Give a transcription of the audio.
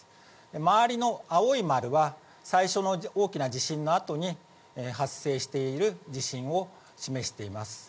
周りの青い丸は、最初の大きな地震のあとに発生している地震を示しています。